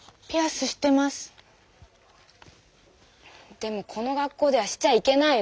でもこの学校ではしちゃいけないの。